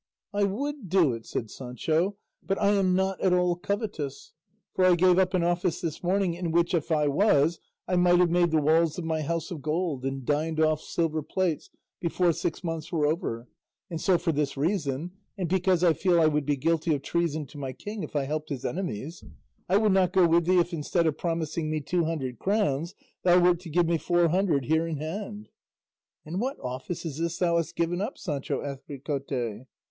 "I would do it," said Sancho; "but I am not at all covetous, for I gave up an office this morning in which, if I was, I might have made the walls of my house of gold and dined off silver plates before six months were over; and so for this reason, and because I feel I would be guilty of treason to my king if I helped his enemies, I would not go with thee if instead of promising me two hundred crowns thou wert to give me four hundred here in hand." "And what office is this thou hast given up, Sancho?" asked Ricote.